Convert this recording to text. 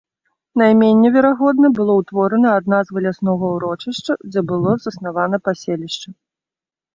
Найменне, верагодна, было ўтворана ад назвы ляснога ўрочышча, дзе было заснавана паселішча.